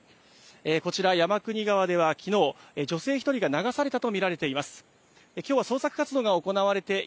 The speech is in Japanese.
こちら山国川では、きのう女性１人が流されたと見られています。